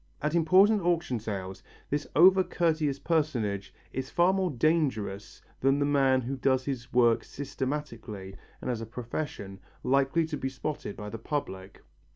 At important auction sales this over courteous personage is far more dangerous than the man who does his work systematically and as a profession, likely to be spotted by the public.